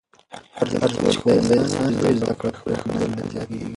هرځل چې ښوونځي اسانه وي، زده کړه پرېښودل نه زیاتېږي.